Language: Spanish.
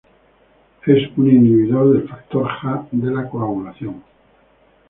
Es un inhibidor del factor Xa de la coagulación.